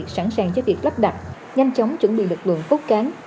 sẵn sàng cho việc lắp đặt nhanh chóng chuẩn bị lực lượng cốt cán